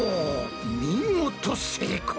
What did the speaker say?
見事成功だ。